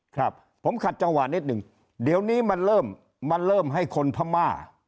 ครับผมขัดจังหวะนิดหนึ่งเดี๋ยวนี้มันเริ่มให้คนพม่า